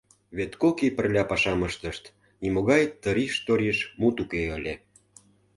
Вет кок ий пырля пашам ыштышт, нимогай тыриш-ториш мут уке ыле...